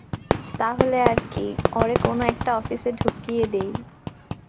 তাহলে আর কি, ওরে কোন একটা অফিসে ঢুকিয়ে দেই।